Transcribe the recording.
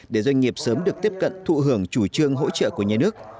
để doanh nghiệp sớm được tiếp cận thụ hưởng chủ trương hỗ trợ của nhà nước